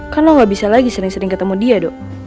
karena gak bisa lagi sering sering ketemu dia dok